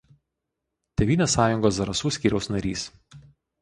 Tėvynės sąjungos Zarasų skyriaus narys.